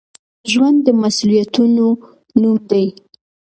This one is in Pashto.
ژوند د مسؤليتونو نوم دی.